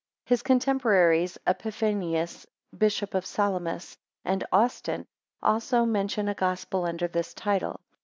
His contemporaries, Epiphanius, Bishop of Salamis, and Austin also mention a gospel under this title.